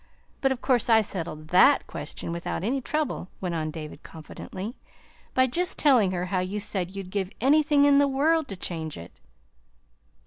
But of course I settled THAT question without any trouble," went on David confidently, "by just telling her how you said you'd give anything in the world to change it."